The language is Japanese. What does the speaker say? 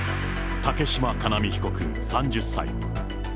竹島叶実被告３０歳。